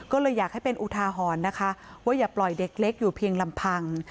ก็เลยอยากให้เป็นอุทาหรณ์นะคะว่าอย่าปล่อยเด็กเล็กอยู่เพียงลำพัง